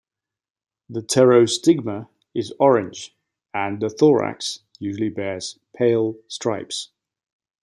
The pterostigma is orange and the thorax usually bears pale stripes.